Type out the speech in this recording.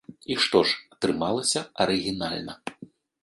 І што ж, атрымалася арыгінальна.